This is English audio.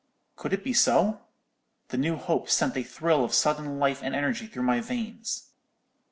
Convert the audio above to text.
Could it be so? The new hope sent a thrill of sudden life and energy through my veins.